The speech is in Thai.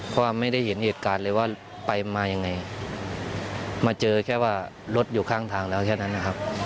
เพราะว่าไม่ได้เห็นเหตุการณ์เลยว่าไปมายังไงมาเจอแค่ว่ารถอยู่ข้างทางแล้วแค่นั้นนะครับ